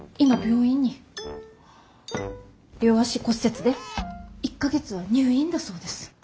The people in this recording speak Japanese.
両足骨折で１か月は入院だそうです。